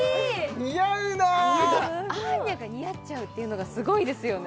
似合うなあアーニャが似合っちゃうっていうのがすごいですよね